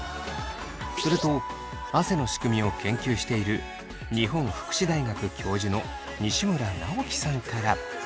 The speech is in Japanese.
すると汗の仕組みを研究している日本福祉大学教授の西村直記さんから。